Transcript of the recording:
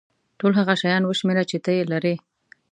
ټول هغه شیان وشمېره چې ته یې لرې.